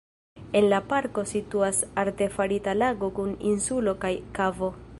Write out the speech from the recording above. En la parko situas artefarita lago kun insulo kaj kavo.